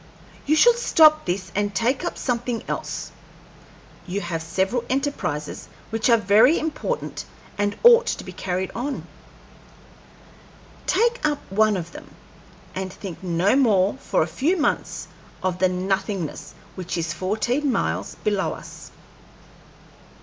You should stop this and take up something else. You have several enterprises which are very important and ought to be carried on. Take up one of them, and think no more for a few months of the nothingness which is fourteen miles below us."